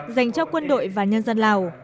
dành cho quân đội và nhân dân lào